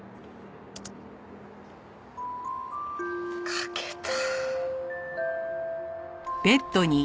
書けた。